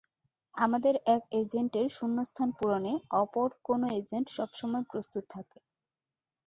আমাদের এক এজেন্টের শূন্যস্থান পূরণে অপর কানো এজেন্ট সবসময় প্রস্তুত থাকে।